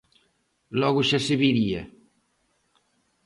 Logo xa se vería.